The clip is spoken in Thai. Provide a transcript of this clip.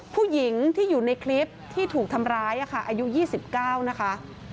ผู้หญิงที่อยู่ในคลิปที่ถูกทำร้ายอายุ๒๙นะคะ